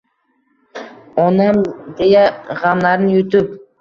Onam deya gamlarni yutib